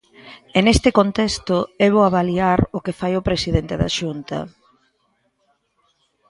E neste contexto é bo avaliar o que fai o presidente da Xunta.